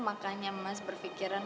makanya mas berfikiran